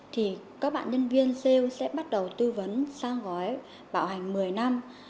thì các bạn nhân viên sale sẽ bắt đầu tư vấn sang gói bảo hành một mươi năm